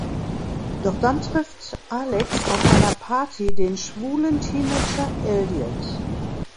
Doch dann trifft Alex auf einer Party den schwulen Teenager Elliot.